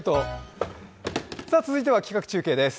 続いては企画中継です。